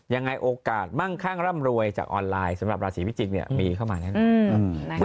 ยังไงโอกาสมั่งข้างร่ำรวยจากออนไลน์สำหรับราศีพิจิกมีเข้ามาแน่นอน